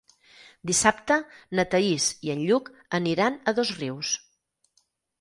Dissabte na Thaís i en Lluc aniran a Dosrius.